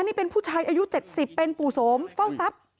นี่เป็นผู้ชายอายุ๗๐เป็นปู่โสมเฝ้าทรัพย์